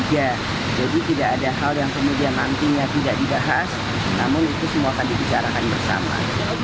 jadi tidak ada hal yang kemudian nantinya tidak dibahas namun itu semua akan dibicarakan bersama